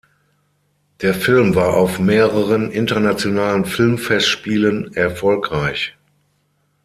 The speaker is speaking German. Der Film war auf mehreren internationalen Filmfestspielen erfolgreich.